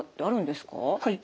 はい。